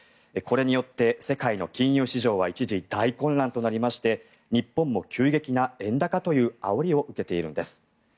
これによって、世界の金融市場は一時、大混乱となりまして日本も急激な円高というあおりを受けているんです。